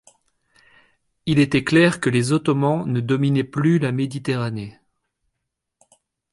Il était clair que les ottomans ne dominaient plus la Méditerranée.